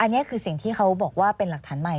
อันนี้คือสิ่งที่เขาบอกว่าเป็นหลักฐานใหม่